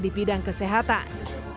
di bidang kesehatan